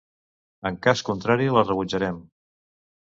En cas contrari la rebutjarem.